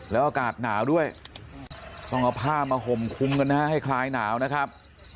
แล้วอากาศหนาวด้วยต้องเอาผ้ามาห่มคุมกันนะฮะให้คลายหนาวนะครับ